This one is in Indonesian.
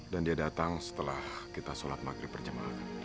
dan dia datang setelah kita sholat maghrib perjamaah